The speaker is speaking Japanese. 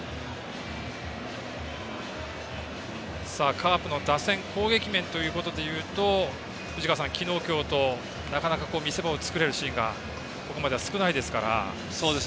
カープの打線攻撃面ということで言うと藤川さん、昨日、今日となかなか見せ場を作れるシーンがここまでは少ないですから。